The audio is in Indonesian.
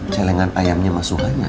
celengan ayamnya mas suhanya